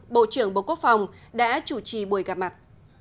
bộ trưởng bộ quốc phòng đã chủ trì buổi gặp mặt